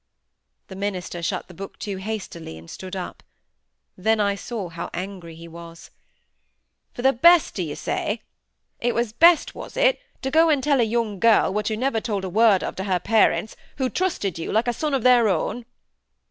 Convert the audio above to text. The minister shut the book to hastily, and stood up. Then I saw how angry he was. "For the best, do you say? It was best, was it, to go and tell a young girl what you never told a word of to her parents, who trusted you like a son of their own?"